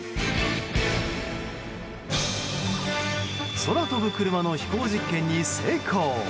空飛ぶ車の飛行実験に成功。